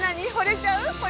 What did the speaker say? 惚れちゃう？